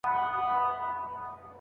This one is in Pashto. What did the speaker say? زوی لا بازار ته نه دی رسېدلی.